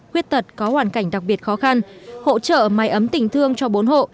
khuyết tật có hoàn cảnh đặc biệt khó khăn hỗ trợ máy ấm tình thương cho bốn hộ